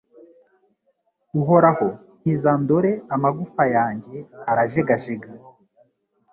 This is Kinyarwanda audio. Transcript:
Uhoraho nkiza dore amagufa yanjye arajegajega